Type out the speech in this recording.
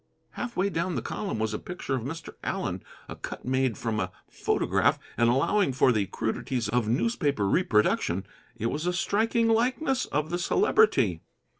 Half way down the column was a picture of Mr. Allen, a cut made from a photograph, and, allowing for the crudities of newspaper reproduction, it was a striking likeness of the Celebrity.